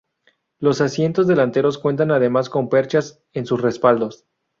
Los asientos delanteros cuentan además con perchas en sus respaldos.